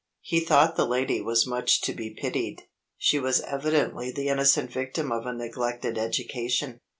He thought the lady was much to be pitied; she was evidently the innocent victim of a neglected education.